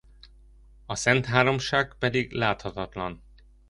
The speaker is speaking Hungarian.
A Szentháromság pedig láthatatlan.